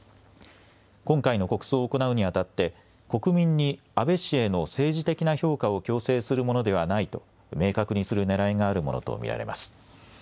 今回の国葬を行うにあたって、国民に安倍氏への政治的な評価を強制するものではないと明確にするねらいがあるものと見られます。